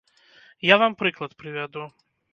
Я вам прыклад прывяду.